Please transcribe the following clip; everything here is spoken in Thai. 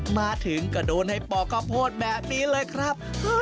มาถึงก็โดนให้ปอกข้าวโพดแบบนี้เลยครับ